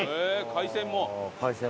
海鮮も。